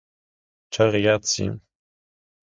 Ciao Ragazzi!